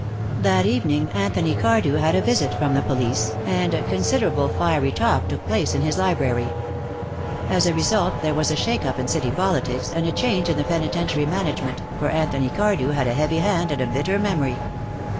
That evening Anthony Cardew had a visit from the police, and considerable fiery talk took place in his library. As a result there was a shake up in city politics, and a change in the penitentiary management, for Anthony Cardew had a heavy hand and a bitter memory.